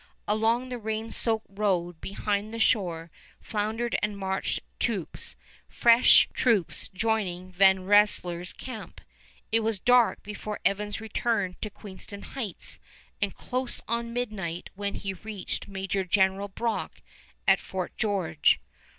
Along the rain soaked road behind the shore floundered and marched troops, fresh troops joining Van Rensselaer's camp. It was dark before Evans returned to Queenston Heights and close on midnight when he reached Major General Brock at Fort George.